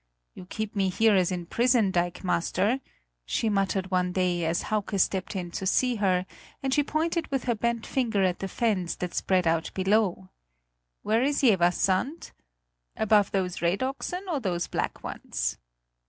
"You keep me here as in prison, dikemaster," she muttered one day, as Hauke stepped in to see her, and she pointed with her bent finger at the fens that spread out below. "Where is Jeverssand? Above those red oxen or those black ones?"